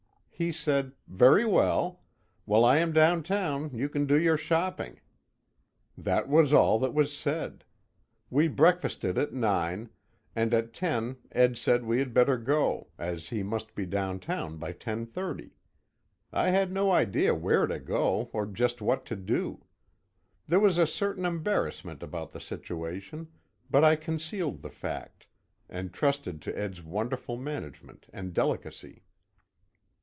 He said, "Very well. While I am down town you can do your shopping." That was all that was said. We breakfasted at nine, and at ten Ed said we had better go, as he must be down town by 10:30. I had no idea where to go or just what to do. There was a certain embarrassment about the situation, but I concealed the fact, and trusted to Ed's wonderful management and delicacy.